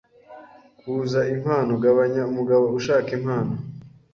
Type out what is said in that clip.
Kuza impano gabanya umugabo ushaka impano